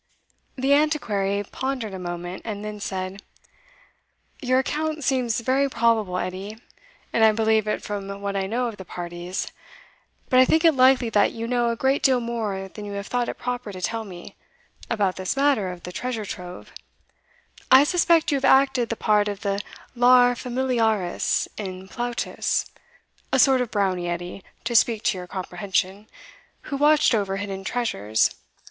The Antiquary pondered a moment, and then said, "Your account seems very probable, Edie, and I believe it from what I know of the parties. But I think it likely that you know a great deal more than you have thought it proper to tell me, about this matter of the treasure trove I suspect you have acted the part of the Lar Familiaris in Plautus a sort of Brownie, Edie, to speak to your comprehension, who watched over hidden treasures.